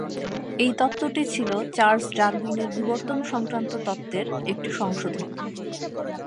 এই তত্ত্বটি ছিল চার্লস ডারউইনের বিবর্তন সংক্রান্ত তত্ত্বের একটি সংশোধন।